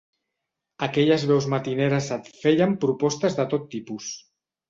Aquelles veus matineres et feien propostes de tot tipus.